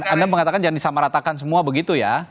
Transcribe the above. anda mengatakan jangan disamaratakan semua begitu ya